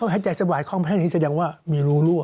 ให้ใจสบายคล่องแพทย์นี้แสดงว่ามีรูรั่ว